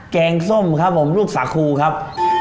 แกงส้มครับผมลูกสาคูครับ